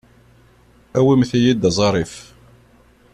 Awimt-iyi-d aẓarif.